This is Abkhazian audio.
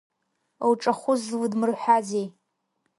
Лҿахәы злыдмырҳәазеи?